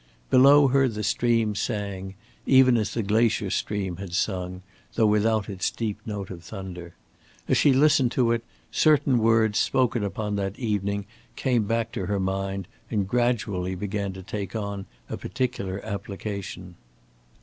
Below her the stream sang, even as the glacier stream had sung, though without its deep note of thunder. As she listened to it, certain words spoken upon that evening came back to her mind and gradually began to take on a particular application.